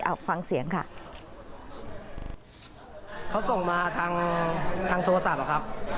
เอาฟังเสียงค่ะเขาส่งมาทางทางโทรศัพท์อ่ะครับ